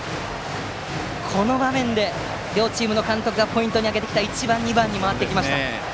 この場面で両チームの監督がポイントに挙げていた１番、２番に回ってきました。